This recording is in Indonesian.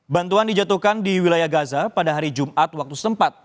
bantuan dijatuhkan di wilayah gaza pada hari jumat waktu setempat